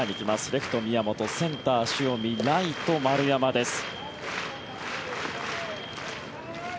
レフト、宮本センター、塩見ライト、丸山です。